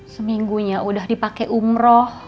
seminggunya udah dipake umroh